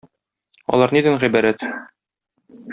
Алар нидән гыйбарәт?